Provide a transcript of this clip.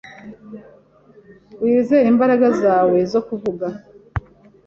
Wizere imbaraga zawe zo kuvuga